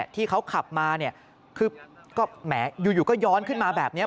ที่เขาขับมาเนี่ยคือก็แหมอยู่ก็ย้อนขึ้นมาแบบนี้